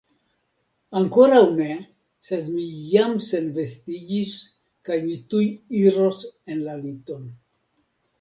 Ankoraŭ ne, sed mi jam senvestiĝis kaj mi tuj iros en la liton.